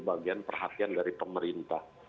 bagian perhatian dari pemerintah